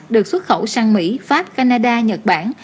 được xuất khẩu sang mỹ pháp canada nhật bản